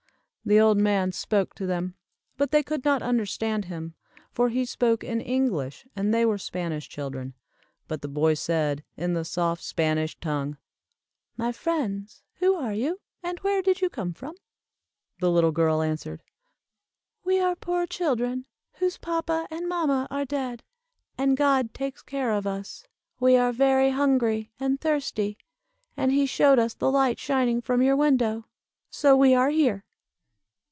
The old man spoke to them, but they could not understand him, for he spoke in English, and they were Spanish children; but the boy said, in the soft Spanish tongue, "My friends, who are you? and where did you come from?" The little girl answered, "We are poor children, whose papa and mamma are dead, and God takes care of us. We are very hungry and thirsty, and he showed us the light shining from your window, so we are here!"